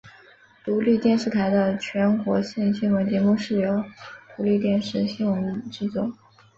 独立电视台的全国性新闻节目是由独立电视新闻制作。